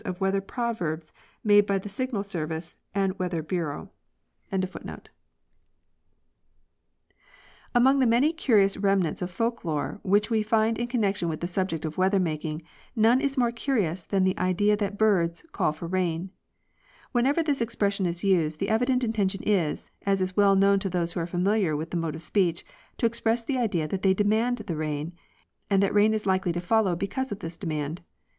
* Among the many curious remnants of folk lore which we find in connection with the subject of weather making none is more curious than the idea that birds "call for rain." Whenever this expression is ysed the evident intention is, as is well known to those who are familiar with this mode of speech, to express the idea that they demand the rain, and that rain is likely to follow because of this demand.